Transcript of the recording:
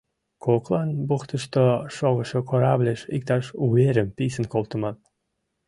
Коклан бухтышто шогышо корабльыш иктаж уверым писын колтыман.